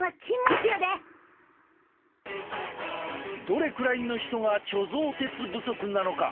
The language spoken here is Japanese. どれくらいの人が貯蔵鉄不足なのか？